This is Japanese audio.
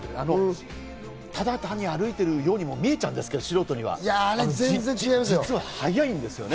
ただ単に歩いてるようにも素人には見えちゃうんですけど、実は速いんですよね。